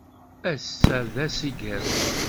Ass-a d ass igerrzen.